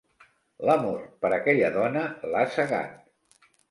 L'amor per aquella dona l'ha cegat.